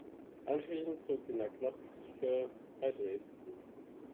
Anschließend zog sie nach Klotzsche bei Dresden.